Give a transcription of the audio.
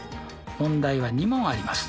問題は２問あります。